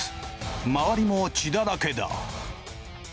周りも血だらけだ。